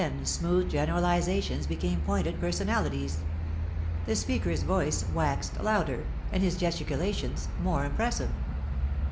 Then smooth generalisations became pointed personalities. The speaker's voice waxed louder, and his gesticulations more impressive.